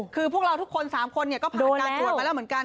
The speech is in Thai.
คือพวกเราทุกคน๓คนก็ผ่านการตรวจมาแล้วเหมือนกัน